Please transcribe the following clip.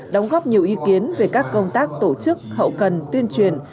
đóng góp nhiều ý kiến về các công tác tổ chức hậu cần tuyên truyền